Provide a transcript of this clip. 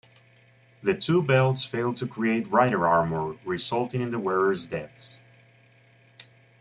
The two belts failed to create Rider armor, resulting in the wearer's deaths.